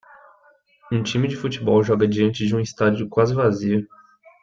Um time de futebol joga diante de um estádio quase vazio.